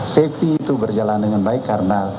safety itu berjalan dengan baik karena